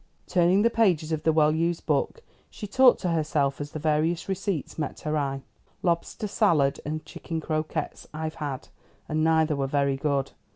Turning the pages of the well used book, she talked to herself as the various receipts met her eye. "Lobster salad and chicken croquettes I've had, and neither were very good.